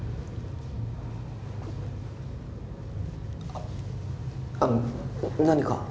ああっあの何か？